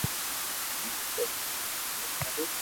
ھين ڪوئي ھئين ديکاڙو